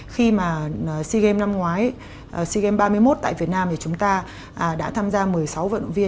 khi mà sea games năm ngoái sea games ba mươi một tại việt nam thì chúng ta đã tham gia một mươi sáu vận động viên